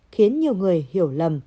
khiến nhiều người hiểu lầm